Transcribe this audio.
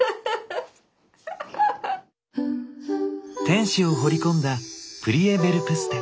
天使を彫り込んだプリエヴェルプステ。